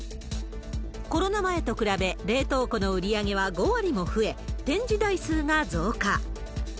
コロナ前と比べ、冷凍庫の売り上げは５割も増え、展示台数が増加。